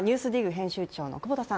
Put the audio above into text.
編集長の久保田さん